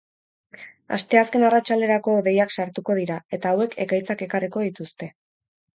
Asteazken arratsalderako hodeiak sartuko dira eta hauek ekaitzak ekarriko dituzte.